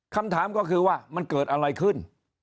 คำถามก็คือว่ามันเกิดอะไรขึ้น